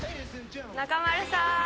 中丸さん。